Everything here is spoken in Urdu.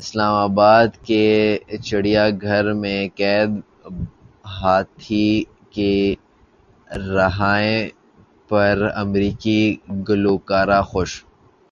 اسلام باد کے چڑیا گھر میں قید ہاتھی کی رہائی پر امریکی گلوکارہ خوش